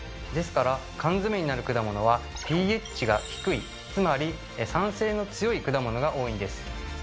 ですから缶詰になる果物はｐＨが低いつまり酸性の強い果物が多いんです。